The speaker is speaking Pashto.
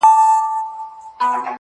او تاته زما د خپلولو په نيت~